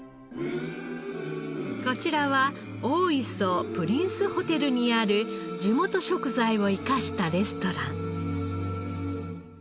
こちらは大磯プリンスホテルにある地元食材を生かしたレストラン。